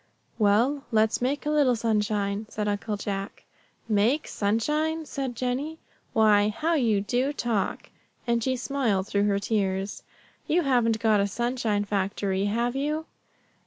"Well, let's make a little sunshine," said Uncle Jack. "Make sunshine," said Jennie; "why how you do talk!" and she smiled through her tears. "You haven't got a sunshine factory, have you?"